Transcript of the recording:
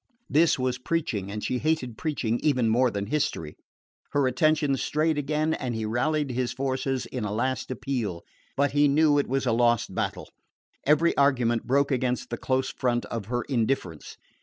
This was preaching, and she hated preaching even more than history. Her attention strayed again and he rallied his forces in a last appeal. But he knew it was a lost battle: every argument broke against the close front of her indifference.